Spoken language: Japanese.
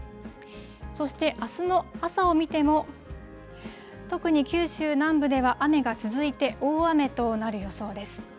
そしてあすの朝を見ても、特に九州南部では雨が続いて、大雨となる予想です。